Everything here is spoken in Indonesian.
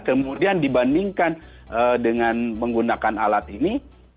kemudian dibandingkan dengan menggunakan alat ini